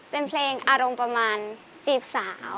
เป็นเพลงอารมณ์ประมาณจีบสาว